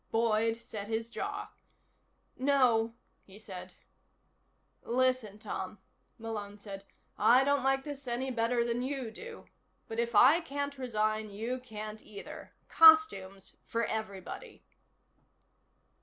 Boyd set his jaw. "No," he said. "Listen, Tom," Malone said, "I don't like this any better than you do. But if I can't resign, you can't either. Costumes for everybody."